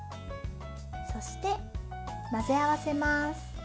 そして、混ぜ合わせます。